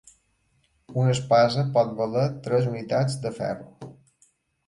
Una espasa pot valer tres unitats de ferro.